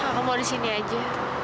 aku mau di sini aja